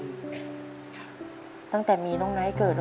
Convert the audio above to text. จนทำให้ลูกสาวอีกคนนึงเกิดน้อยใจ